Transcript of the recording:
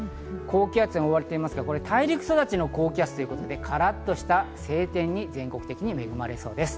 高気圧に覆われていますが、大陸育ちの高気圧ということでカラっとした晴天に全国的に恵まれそうです。